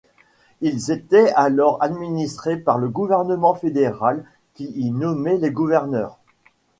Ils étaient alors administrés par le gouvernement fédéral qui y nommait les gouverneurs.